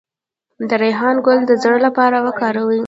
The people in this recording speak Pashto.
د ریحان ګل د زړه لپاره وکاروئ